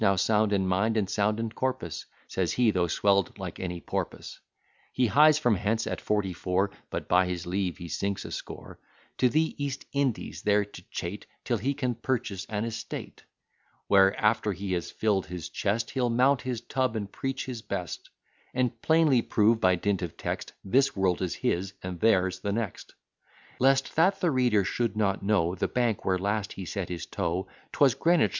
Now sound in mind, and sound in corpus, (Says he) though swell'd like any porpoise, He hies from hence at forty four (But by his leave he sinks a score) To the East Indies, there to cheat, Till he can purchase an estate; Where, after he has fill'd his chest, He'll mount his tub, and preach his best, And plainly prove, by dint of text, This world is his, and theirs the next. Lest that the reader should not know The bank where last he set his toe, 'Twas Greenwich.